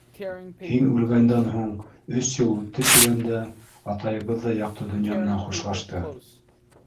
Һин үлгәндән һуң өс йыл үтте тигәндә атайыбыҙ ҙа яҡты донъя менән хушлашты.